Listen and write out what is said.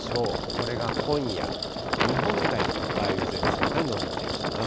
これが今夜、日本海に梅雨前線が延びてきます。